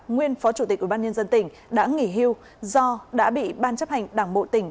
nguyên phó chủ tịch ủy ban nhân dân tỉnh đã nghỉ hưu do đã bị ban chấp hành đảng bộ tỉnh